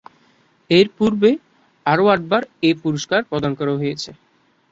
এরপূর্বে আরও আটবার এ পুরস্কার প্রদান করা হয়েছে।